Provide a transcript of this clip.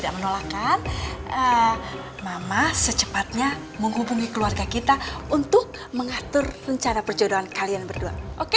dan mama secepatnya menghubungi keluarga kita untuk mengatur rencana perjodohan kalian berdua oke